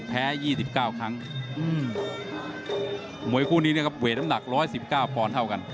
แพ้ยี่สิบเก้าครั้งอืมมวยคู่นี้นะครับเวทน้ำหนักร้อยสิบเก้าพรเท่ากัน